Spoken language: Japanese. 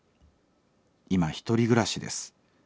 今独り暮らしです。